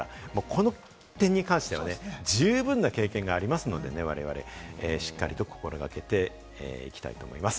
この点に関しては、十分な経験がありますので、我々しっかりと心掛けていきたいと思います。